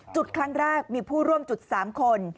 จุดครั้งแรกมีผู้ร่วมจุด๓คน